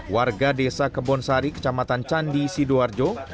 warga desa kebonsari kecamatan candi sidoarjo